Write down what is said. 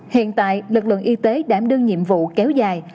hiện tại lực lượng y tế đã đưa nhiệm vụ kéo dài